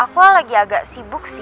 aku lagi agak sibuk sih